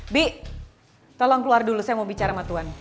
bi tolong keluar dulu saya mau bicara sama tuan